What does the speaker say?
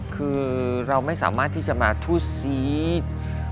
คือเราไม่สามารถที่จะมาทูตซี๊ด